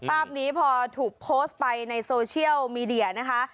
ภาพนี้พอถูกโพสต์ไปในโซเชียลมีเดียนะคะ